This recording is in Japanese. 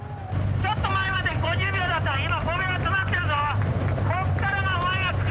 ちょっと前まで５０秒だったけど、今、５秒詰まってるぞ！